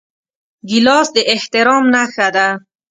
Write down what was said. ګیلاس د احترام نښه ده.